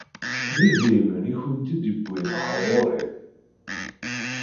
D idrimen i kent-id-yewwin ar ɣur-i.